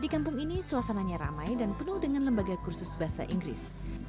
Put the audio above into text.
di kampung ini suasananya ramai dan penuh dengan lembaga kursus bahasa inggris